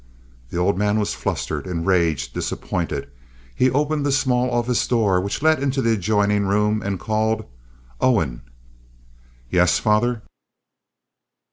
The old man was flustered, enraged, disappointed. He opened the small office door which led into the adjoining room, and called, "Owen!" "Yes, father."